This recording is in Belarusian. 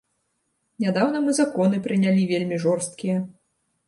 Нядаўна мы законы прынялі вельмі жорсткія.